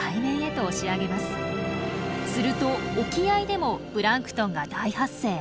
すると沖合でもプランクトンが大発生。